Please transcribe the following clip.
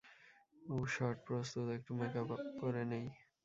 উহ shot প্রস্তুত, একটু makeup up করে নেই।